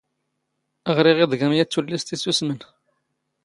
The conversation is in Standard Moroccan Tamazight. ⵖⵔⵉⵖ ⵉⴹⴳⴰⵎ ⵢⴰⵜ ⵜⵓⵍⵍⵉⵙⵜ ⵉⵙⵓⵙⵎⵏ.